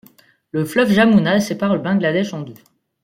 Le fleuve Jamuna sépare le Bangladesh en deux.